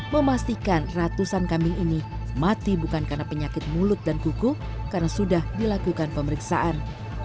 memastikan ratusan kambing ini mati bukan karena penyakit mulut dan kuku karena sudah dilakukan pemeriksaan